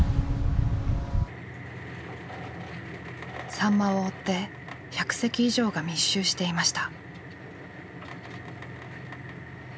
サンマを追って１００隻以上が密集していました。